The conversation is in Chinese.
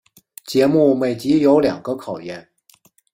节目每集有两个考验。